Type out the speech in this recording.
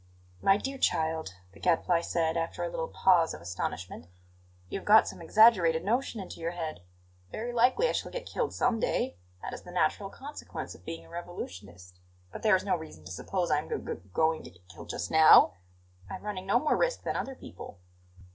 "My dear child," the Gadfly said, after a little pause of astonishment, "you have got some exaggerated notion into your head. Very likely I shall get killed some day that is the natural consequence of being a revolutionist. But there is no reason to suppose I am g g going to get killed just now. I am running no more risk than other people."